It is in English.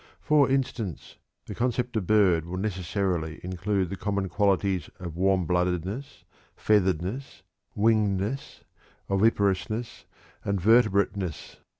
For instance, the concept of "bird" will necessarily include the common qualities of warm bloodedness, featheredness, wingedness, oviparousness, and vertebratedness.